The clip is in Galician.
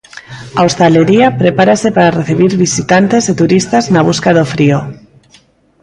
A hostalería prepárase para recibir visitantes e turistas na busca do frío.